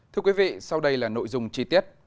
thưa quý vị sau đây là nội dung chi tiết